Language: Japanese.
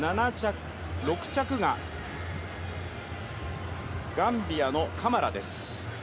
６着がガンビアのカマラです。